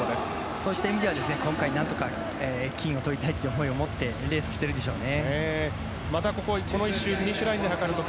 そういった意味では何とか金をとりたい思いを持ってレースしてるでしょうね。